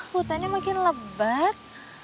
hutannya makin lebat